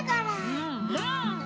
うんうん。